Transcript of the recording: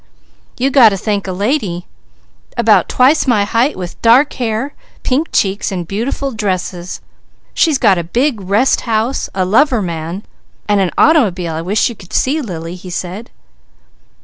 "You got to thank a lady about twice my height, with dark hair, pink cheeks, and beautiful dresses. She's got a big rest house, a lover man, and an automobile I wish you could see, Lily," he said.